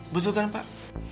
betul kan pak